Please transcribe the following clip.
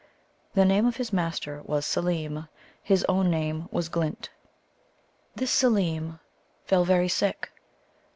The name of his master was Seelem; his own name was Glint. This Seelem fell very sick.